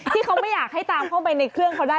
ที่เขาไม่อยากให้ตามเข้าไปในเครื่องเขาได้